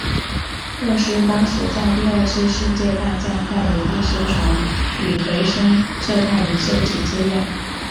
赫斯当时在第二次世界大战带领一艘船以回声测深仪收集资料。